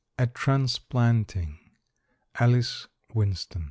A TRANSPLANTING. ALICE WINSTON.